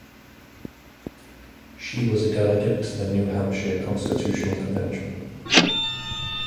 She was a delegate to the New Hampshire Constitutional Convention.